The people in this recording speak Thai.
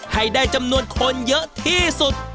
ให้ได้จำนวนคนเยอะที่สุด